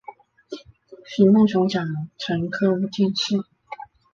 徐梦熊甲辰科武进士。